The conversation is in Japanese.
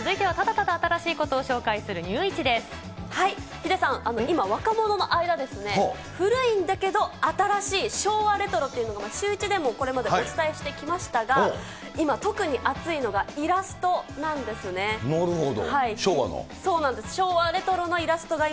ヒデさん、今、若者の間に古いんだけど、新しい、昭和レトロっていうのが、シューイチでもこれまでお伝えしてきましたが、今、なるほど。